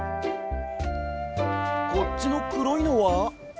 こっちのくろいのは？